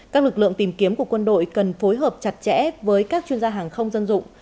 các lực lượng tìm kiếm của quân đội cần phối hợp chặt chẽ với các chuyên gia hàng không dân dụng